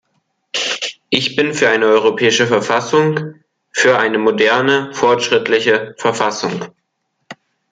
Ich bin für eine europäische Verfassung, für eine moderne, fortschrittliche Verfassung.